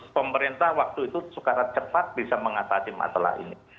pemerintah waktu itu secara cepat bisa mengatasi masalah ini